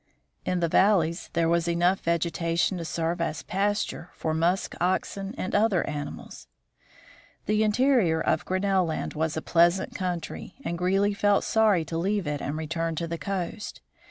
In the valleys there was enough vegetation to serve as pas ture for musk oxen and other animals. The interior of Grinnell land was a pleasant country, and Greely felt sorry to leave it and return to the coast.